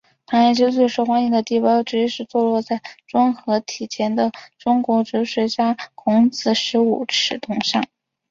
唐人街最受欢迎的地标之一是坐落于综合体前的中国哲学家孔子的十五尺铜像。